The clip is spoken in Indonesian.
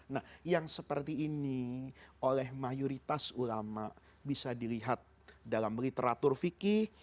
nah yang seperti ini oleh mayoritas ulama bisa dilihat dalam literatur fikih